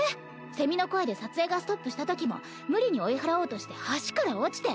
セミの声で撮影がストップしたときも無理に追い払おうとして橋から落ちて。